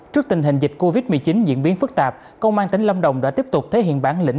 trước tình hình dịch covid một mươi chín diễn biến phức tạp công an tỉnh lâm đồng đã tiếp tục thể hiện bản lĩnh